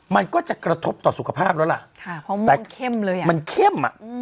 มันก็จะกระทบต่อสุขภาพแล้วล่ะแต่เข้มเลยอ่ะมันเข้มอ่ะ